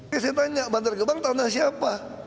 ya saya tanya bantar gebang tanah siapa